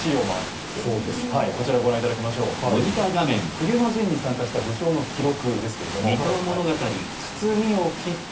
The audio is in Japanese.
冬の陣に参加した武将の記録ですけれども。